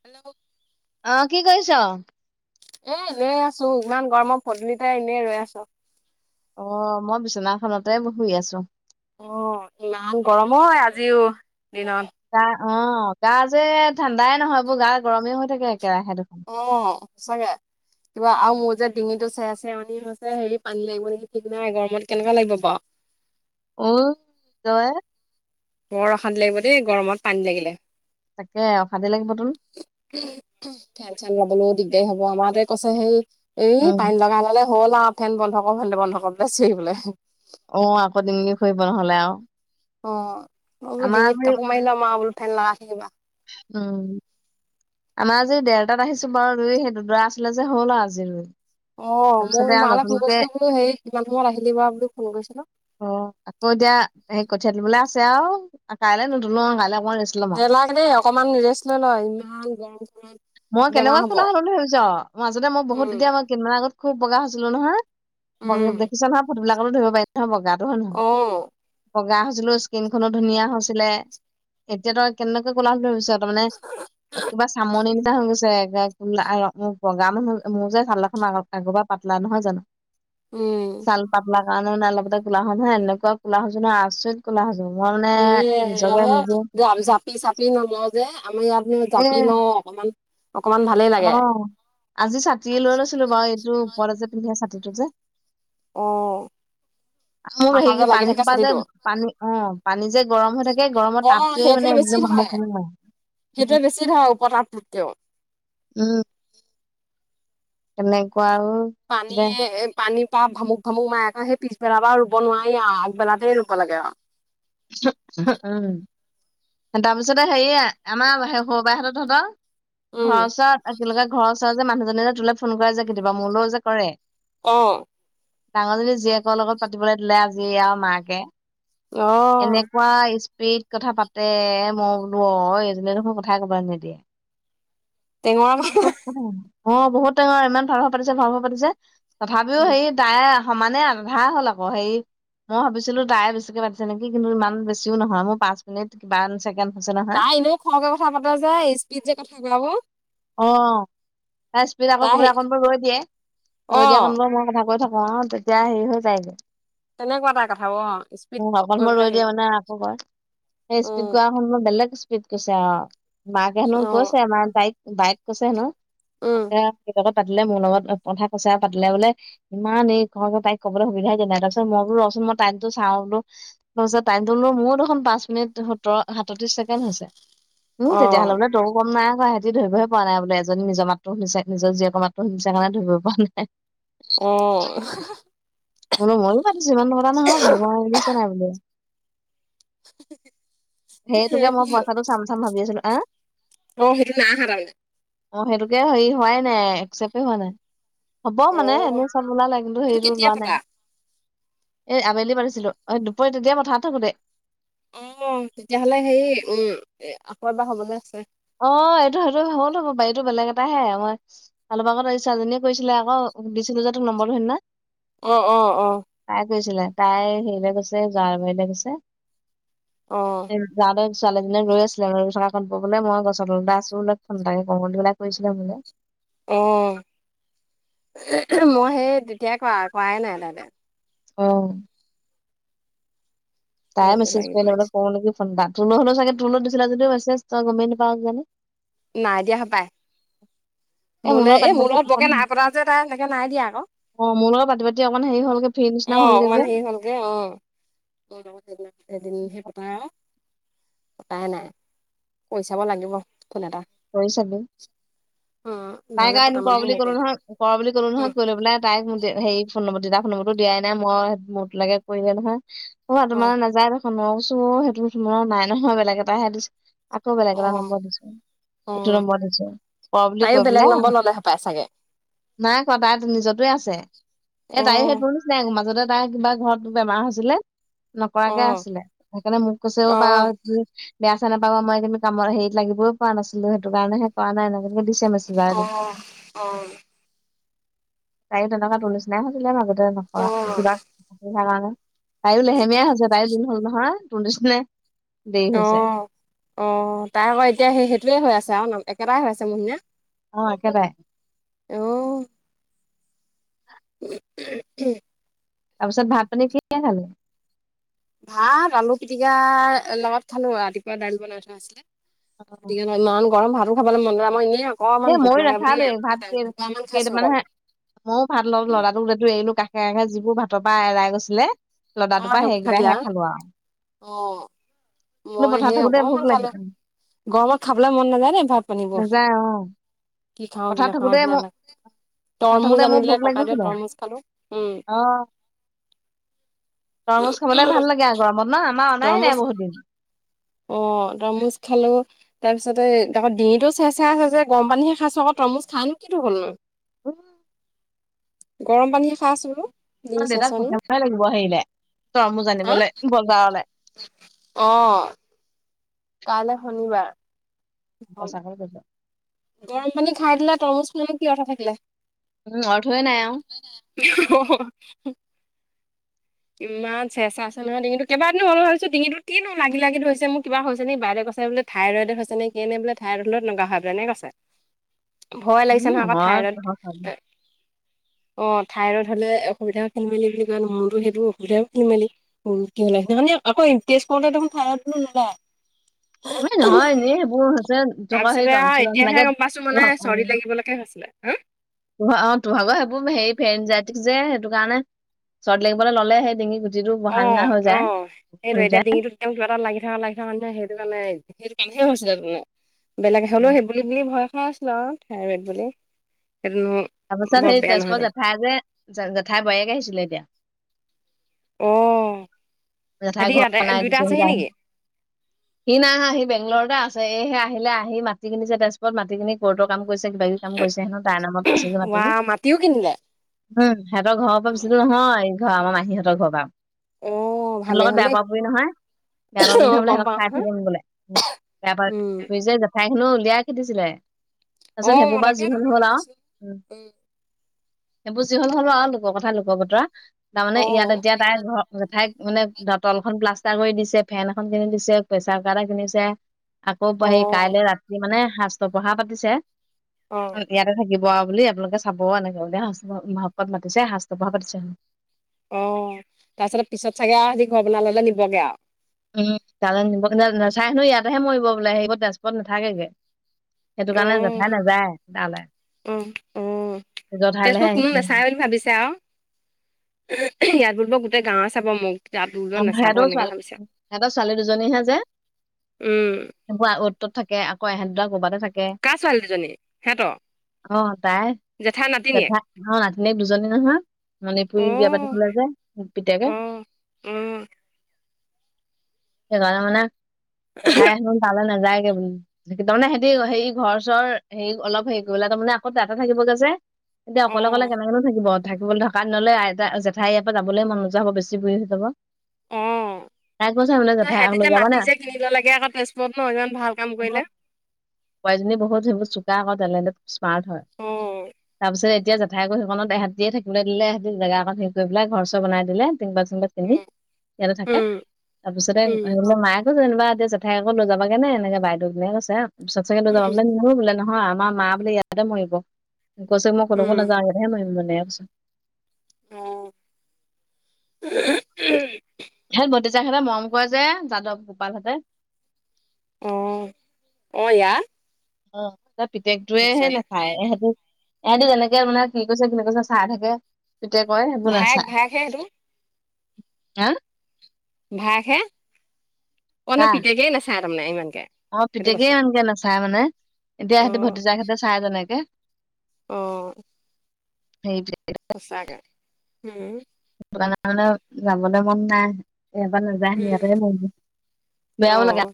Hello আহ কি কৈছ। এ এনেই আছো ইমান গৰমৰ পদূলিতে এনেই ৰৈ আছো অ মই বিচনাখনতে শুই আছো অ ইমান গৰমো আজিও দিনত গা অ গা যে ঠাণ্ডাই নহয় এইবোৰ গা গৰমেই হৈ থাকে একেৰাহে দুখন সচাকে কিবা আৰু মোৰ যে ডিঙিটো চেৰা চেৰনি হৈছে হেৰি পানী লাগিব নিকি ঠিক নাই গৰমত কেনেকোৱা লাগিব বাও অ যএ বৰ অশান্তি লাগিব দেই গৰমত পানী লাগিলে তাকে অশান্তি লাগিবতোন খেল চাবলৈ দি সেই হব আমাৰ তোৱে কৈছে হেই এই উম পানী লগাই ললে হ'ল আ ফেন বন্ধ কৰ ফেন বন্ধ কৰ বুলি চিঞৰিবলে অ আকৌ দিঙই কৰিব নহলে আও অ মই বোলো আমাৰ ডিঙিত আজি কাপোৰ মাৰি লম আও বোলো ফেন লগাই থৈ দিবা উম আমাৰ আজি ঢেৰটাত আহিছো বাৰু ই সেই দুদৰা আছিলে যে হ'ল আৰু আজি ৰুই অ তাৰপিছতে মোৰ আৰু মা লে ফোন নতুনকে কৰিছিলো বোলো হেই কিমান সময়ত আহিলি বা বুলি ফোন কৰিছিলো। অ আকৌ এতিয়া সেই কঠিয়া তুলিবলে আছে আও কাইলে নুতুলো কাইলে নেলাগে দেই অকমান ৰেষ্ট লৈ ল ইমান গৰমখনত মই কেনেকুৱা কোলা হলো বুলি ভাবিছ মাজতে মই বহু উম এতিয়া মই কেইদিনমান আগত খুব বগা হৈছিলো নহয় বগী উম দেখছ নহয় ফটোবিলাকতো ধৰিব পাৰি নহয় বগাত অহ বগা হৈছিলো স্কিনখনো ধুনীয়া হৈছিলে এতিয়াতো কেনেকে কোলা হলো ভাবিছ তামানে কিবা চামনি কিবা হৈ গৈছে কোলা মোক বগা মানুহ মোৰ যে চালখন আগৰ পা পাতলা নহয় জানো উম গা নোম আ লগতে কোলা হম নহয় এনেকুৱা কোলা হৈছো ন অচৈত কোলা হৈছো মই মানে এ নিজকে নিজে জাপি চাপি নলও যে আমি ইয়াত জাপি লওঁ অকমান অকমান ভালেই লাগে অসআজি ছাতিয়ে লোৱা লৈছিলো বাৰু এইটো ওপৰত যে পিন্ধে ছাতিটো যে অ মোৰ মাথা হেৰি কি যে লাগি পানী থাকে খোপা যে চুলিটো পানী অ পানী যে গৰম হৈ থাকে গৰমত অ তাপটয়ে সেইটোৱে মানে বেছি ঘ ধৰে মক সেইটোৱে বেছি ধৰে উপ তাত টোতকও উম এনেকোৱা পানীয়ে পানী তা ভামুক ভামুক মায়ে আকৌ সেই পিছবেলাৰ পৰা ৰুব নোৱাৰি আৰু আগবেলাতেই ৰুব লাগে আৰু উম তাৰপিছতে হেৰি আমাৰ স সৰু বাই হতত হহঁতৰ ঘৰৰ উম ওচৰত তোলে যে ঘৰৰ ওচৰ যে মানুহজনে যে তোলে ফোন কৰে যে কেতিয়াবা মোলৈও যে কৰে অ ডাঙৰজনী জীয়েকৰ লগত পাতিবলৈ দিলে আজি আৰু মাকে অ এনেকুৱা স্পি কি কথা পাতে মই বোলো অ এইজনী দেখোন কথাই একবাৰে নিদিয়ে টেঙৰা অ বহুত ডাঙৰ ইমান ভাল খ পাতিছে ভাল খ পাতিছে তথাপি উম হে দায়ে সমানে আন্ধা হ'ল আকৌ হেই মই ভাবিছিলো তাই বেছিকে পাতিছে নেকি কিন্তু ইমান বেছিও নহয় মোৰ পাঁচ মিনিট কিমান ছেকেণ্ড। হৈছে নহয় তাই এনেও খৰকে কথা পাতা যে স্পিড যে কথা কোৱাবোৰ। অ তাই ইস্পিদ আকৌ কোব কোনবোৰ ৰৈ দিয়ে অ ৰৈ দিয়া কাৰনে মই আগত গৈ ৰৈ থাকো অ তেতিয়া হেৰি হৈ যায়গৈ তেনেকুৱা তাই কথাবোৰ অ উ স্পীড কৰি অকনমান মই পেলাই ৰৈ দিয়া হেৰি মানে আকৌ কৰ। উম [unintelligible] কৈছে আও মাকে হেনো অ কৈছে মাৰ তাইক বাইক কৈছে হেনো উম আ কিবা এটা পাতিলে মোৰ লগত অ কথা কচা পালে বোলে ইমান এই ক তাইক কবলৈ সুবিধাই দিয়া নাই তাৰপিছত মই বোলো মই টাইমতো চা বোলো তাৰপিত টাইটোলো মোৰো দেখোন পাঁচ মিনিট সোতৰ সাতত্ৰিশ ছেকেণ্ড হৈছে উম অ তেতিয়াহ'লে বোলে তও গম নাই হোৱা ধৰিবহে পৰা নাই বোলে এজনি নিজ মাতটো শুনিছে নিজৰ জীয়েকৰ মাত্ৰ শুনিছে কাৰণে ধৰিবৈ পৰা নাই আহ বোলো ময়ো পাতিছো ইমান নপতা নহয় বোলো মই দিছা নাই বোলো [unintelligible] এ সেইটোকে সেইটো মই পইখাটো চাম চাম ভাবি আছিলো হ অ হৰি নাহা তামানে অ সেইটোকে হেৰি হোৱাই নাই একচেপ্টে হোৱা নাই হ'ব অ মানে এনেই চব ওলালে কিন্তু সেইটো সেৰিটো কেতিয়া ওলোৱা পতা উই এ আবেলি পাতিছিলো অ দুপৰী তেতিয়া পথাত থাকো তে অ তেতিয়াহলে হে উম আকৌ এবাৰ হবলৈ আছে এছ জ্বনশো উ দিছিলো যে তোক নম্বৰটো সেইদিনা অ অ অ কৈছিলে তাই হেৰিলে গৈছে যাৰ বাৰীলৈ গৈছে অ যাৰ ছোৱালীজনি ৰৈ আছিলে মানে ৰৈ থকা কাৰণে মই গছত তলতে আছো বুলো ফোন এটাকে কৰোঁ বুলিপেলাই কৰিছে আও মূলে উ মই সেই তেতিয়াই কৱা কৱাই নাই তাতে অ তাই কৰিব মেছেজ লাগিব কৰিলে বুলে এতিয়া কৰোঁ নেকি ফোন এটা তোলোঁ দিছিলে যদিও মেচেজ তই গমেই নাপাৱও কিজানি নাই দিয়া হপায় এ মোলৈ এই পাতি মোৰ পাতি লগত অকন বৰকে নাই পতা যে তাই সেনেকে নাই দিয়া আকৌ অ মোৰ লগত পাতি পাতি অকন হেৰি হ'লগে ফ্ৰী অ নিচিনা হ'লগে অকমান যে হেৰি হলগে অ লগ সেইদিন সেই পতা আৰু কটাই নাই কৈ চাব লাগিব ফোন এটা কৰি চাবি উম তাইক নহ'লে পতা কৰা মানুহ বুলি কলো নাইকিয়া নহয় কৰা বুলি কলো হ'ল নহয় উম, কৈ পেলাই তাইক হেৰি ফোন তেতিয়া ফোন নম্বৰ টো দিয়াই নাই মই মোৰতো লেকে কৰিলে নহয় অ তোমাৰ নাযায় নহয় মই কৈছোঁ সেইটো নাই নহয় বেলেগ এটা সে দিশ আকৌ বেলেগ অ এটা নম্বৰ দিছো অ এইটো নম্বৰ দিছো তাইও কৈ বেলেগ পেলাই নম্বৰ ললে হপাই চাগে নাই কোৱা তাই নিজটোৱে আছে এ অ তাই সেইটোৰ নিচিনাই মাজতে তাই কিবা ঘৰত বেমাৰ হৈছিলে অ নকৰাকে আছিলে সেইকাৰণে মোক কৈছে অও অ অ বাৰ বেয়া সেয়া নাপাবা মই কিন্তুি কামত হেৰি লাগিবই পৰা নাছিলো সেইটো কাৰণে কৰা নাই ন অহ অহ তাই তেনেকোৱা টো নিচিনাই হৈছিলে মাজতে নকৰা অ কিবা অসুবিধা কাৰণে তাইয়ো লেহেমীয়া হৈছে তাইয়ো দিন হল নহয় তোৰ নিচিনা অ অ তাই আকৌ এতিয়া সেই সেইটোয়ে হৈ আছে আৰু নাম একেটাই হৈ আছে মোহ নিচিনা অ একেটাই উ উম তাৰপিছত ভাত পানী কি খালে ভাত আলু পিটিকা লগত খালো ৰাতিপুৱা দাইল বনাই থোৱা আছিলে ইমান গৰম ভাতো খাবলৈ মন য মই এনেই এ অকমান ভোক ময়ো লাগে বুলি নাখালোৱে এ ভ মান খাইছো অকল ময়ও ভাত ললো ল'ৰাটো এৰিলো কাষে কাষে যিবোৰ ভাতৰ পৰা এৰাই গৈছিলে অ লদাটোৰ পৰা সেইবোৰ খালী সেইকেইটাহে আউ খালো আৰু কিন্তু মই পথাৰত সেই থাকোতে ভোক অকমান খালো লাগিল গৰমত খাবলে মন নাযায় নে ভাত পানীবোৰ নাযায় অ' কি খাওঁ কি পথাৰত নাখাওঁ থাকোতে মই নিচিনা লাগে পথাৰত থাকোতে তৰমুজ মোৰ আনিলে ভোক ককাইদেৱে লাগিছিলে তৰমুজ খালো উম অ তৰমুজ খাবলে ভাল লাগে আক গৰমত ন নাই নাই তৰমুজ বহুত দিন অ তমুজ খালো তাৰ পিছতে আকৌ ডিঙিটো চাই চাই চ গৰম পানীহে খাইছো আক তৰমূচ খাই কিটো হলনু উম গৰম পানী খাই আছো ডিঙি অ দেউতাক চেৰচেৰনি কথাই লাগিব হেৰিলে তৰ মোজ হা জানিবলে বজাৰলে অ কাইলৈ শনিবাৰ হ'ব। চাকৰি কৰিছ গৰম পানী খাই দিলে তৰমুজ মানে কি অৰ্থ থাকিলে উম অৰ্থই নাই আৰু অ ইমান চেচা আছে নহয় ডিঙিতটো কেইবা দিনো হল ভাবি ডিঙিটো কি নো লাগি লাগি ধৰিচে মোৰ কিবা হৈছে নেকি বাইদে কৈছে বোলে থাইৰইডত হৈছে নে কেনে বলে থাইৰডত না বোলে নে কৈছে [unintelligible] ভয় উম লাগিছে নহয় আকৌ তহঁত খাবি ঠাইৰট অ থঠাইৰইড হলে অসুবিধা হনমূলি বুলি কয় নহয় মূৰটো অসুধি মেলিনে আকৌ তেজ কৰতে দেখোন থায়ৰিন নোলৈ এ নহয় এনেই সেইবোৰ হৈছে জৰ সেই তাৰপিছতে আৰু ট্ৰঞ্চলৰ এতিয়াহে গম পাইছোঁ মানে নিচিনাকে অ চৰ্দি লাগিবলৈকে হৈছিলে হা তোমা অ তোৰ ভাগৰ সেইবোৰ হেৰি ফেন জাইটিক যে সেইটো কাৰণে চৰ্দি লাগিবলৈ ল'লে হে ডিঙি গুটিটো অ বহা নিচিনা হৈ অ যায় সেইটোৱে হৈ এতিয়া যায় ডিঙিটোত যেন কিবা এটা লাগি থাকা লাগি থকা সে মানে সেইটো কাণেহে হৈছিলে তামানে বেলেগে হ'লেও সেইবুলি বুলি ভয় খাই আছ জৰ খাই বোলে তাৰপাছত সেই তেজপুৰ জেঠাই যে জেঠাই বোৱাৰীয়েকে আহিছিলে এতিয়া অ জেঠাই সিহঁতি ঘৰ ইয়াতে বনাই দিছে দুইটা আছেহি সৌডাল নেকি সি নাই অহা সি বেংলৰতে আছে এইহে আহিলে আহি মাটি কিনিছে তেজপুৰত মাটি কিনি কৰ্টৰ কাম কৰিছে কিবা কিবি কাম কৰিছে হেনো তাই নামত আছে যে ৱা মাটিবোৰ মাটিও কিনিলে উম সিহঁতৰ ঘৰৰ পা বেছি দুৰ নহয় ঘৰ আমাৰ মাহী হতৰ ঘৰ পা অ সিহঁত ভালেই লগত হ'ল বেয়া দেই পোৱা পুই নহয় বেয়া পোৱা অ পুই নহয় বোলে গম সিহঁক পাওঁ চাই নহয় থাকিম বোলে বেয়া পোৱা উম পুই যে জেঠাই শুনঔ উলিয়াই খেদিছিলে অ তাছত সেইবোৰ মই বা যি তাকেতো হল গম হল আউ পাইছো উম সেইবোৰ যি হল হল আও লোকৰ কথা লোকৰ বতৰা তামানে অ ইয়াত এতিয়া তাইৰ জেঠাই মানে তলখন প্লাষ্টাৰ কৰি দিছে ফেন এখন কিনি দিছে প্ৰেচাৰ কুকাৰ এটা কিনিছে আকৌ অ হে কাইলে ৰাতি মানে শাস্ত্ৰ পঢ়া পাতিছে অ ইয়াতে থাকিব বোৱা বুলি আপোনালোকে চাব এনেকে চাব মাতিছে সাচটো ব পাতিছে অ তাপিছতে পিছত চাগে আও হেতি ঘৰ বনাই ললে নিবগে আউ উম তালে নিব জেঠাই হেনো ইয়াতেহে মৰিব বোলে সেই তেজপুৰত নাথাকেগে সেইটো অ কাৰণে জেঠাই নাযায় তালে অ অ তেজপুৰত কোনো নাচায় বুলি ভাবিছে আও ইয়াত বুলিব গোট গোটেই গাৱে চাব মোক তাত বুলিব অ নাচাব সিহঁতৰ এনেকে ছোৱালী ভাবিছে সিহঁতৰ ছোৱালী দুজনীহে যে উম বোৱা অত তত থাকে আকৌ এহেঁত দুটাক কাৰ ছোৱালী দুজনী সেতৰ অ তাই জেঠাই অ নাতিনীয়েক দুজনী নহয়। মানে পুৰি বিয়া অ পাতিছিলে যায় পিতেকে উম উম সেইকাৰণে মানে জেঠাই হতৰ ভালে ন। যায়গে বো তাৰানে সিহতি হৰি ঘৰ চৰ হেৰি অলপ হেৰি কৰিবলে তাৰমানে আকৌ তাতে থাকিবগৈ যে। এতিয়া অ অকলে অকলে কেনেকেনু থাকিব। থাকিব থকা দিনলে আইটা এ জেঠাই ইয়াৰ পৰা যাবলৈ মন নোযোৱা হব বেছি বুঢ়ী হৈ যাব ত তাই কৈছে মানে জেঠাই লৈ সিহঁততি যাবা মাটি নে যে কিনি ললেগে আকৌ তেজপুৰত ন ইমান ভাল কাম কৰিলে। বোৱাৰি জনী বহুত সেইবোৰ চোকা আকৌ টেলেন্টত স্মাৰ্ট হয় অ তাৰপিছত এ এতিয়া জেঠাইকৌ সেইখনত তেহেতিয়ে থাকিবলে দিলে হেতি জেগা অকণ থিক কৰি পেলাই ঘৰ চৰ বনাই দিলে টিং পাত চিং পাত কিনি উম ইয়াতে থাকে উম তাৰপিছতে উম তেহেতবিলাকক মায়ে গৈ কিবা এতিয়া জেঠায়েকক লৈ যাবাগে নে এনেকে বাইদেউজনীয়ে কৈছে চ সচাকে লৈ যাবা উম বোলে নিনো বোলে নহয় হয় আমাৰ মা বোলে ইয়াতে মৰিব কৈছ মই কলৈকো উম, নাযাওঁ ইয়াততেহে মৰিম বোলে এনেকে কৈছে অ সিহঁত ভতিজাকহঁতে মৰম কৰে যে যাদৱ গোপালহঁতে। অ অয়া অ এ পিতেকটোৱে হে নাচায় এহেতি ইহতি যেনেকে মানে কি কৈছে কি নকৈছে চাই থাকে তেতিয়া কয় একো ভায়েক নাচাই। ভায়েকহে সেইটো হা ভায়েক হে অ মানে কাৰ পিতেকে নাচাই তামানে ইমান। অ পিতেকেই ইমানকে নাচাই মানে এতিয়া অ সিহতি ভতিজা সঁতে চাই যেনেকে। অ সেইটোৱে সচাকে উম। সেইটো কাৰণ যাবলৈ মন নাই ইয়াৰ পৰা নাযায় উম সিহঁতে মন যায়। অ বেয়াও লাগে।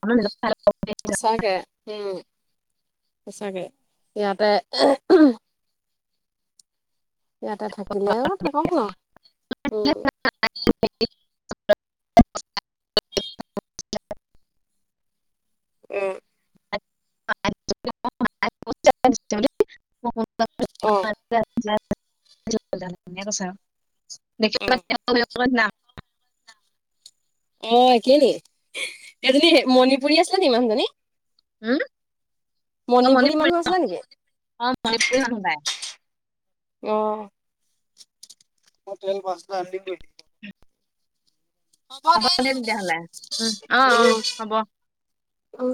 সঁচাকে উম সঁচাকে ইয়াতে। ইয়াতে থাকিলেও থাকক ন উম। [unintelligible] উম [unintelligible] অ কৈ অ [unintelligible] অ একেইনি সেইজনী মণিপুৰী আছে নে মানুহজনী উম অ মণিপুৰী মণিপুৰ মানুহ আছিলে নেকি অ মণিপুৰী মানুহ সপাই আহ মই তেল ভচ হা হ'ব দে তেতিয়াহলে উম অ অ হ'ব। অ